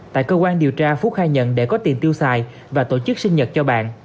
tại cơ quan điều tra phúc khai nhận để có tiền tiêu xài và tổ chức sinh nhật cho bạn